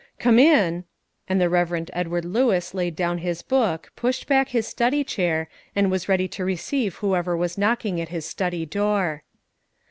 "Come in;" and the Rev. Edward Lewis laid down his book, pushed back his study chair, and was ready to receive whoever was knocking at his study door.